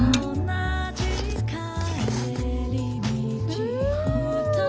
うん！